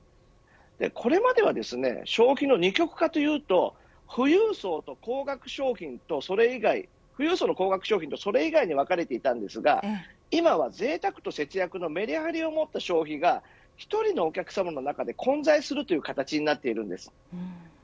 これまでは消費の二極化というと富裕層の高額商品とそれ以外に分かれていたんですが今はぜいたくと節約のメリハリを持った消費が１人のお客さまの中で混在する形になっています。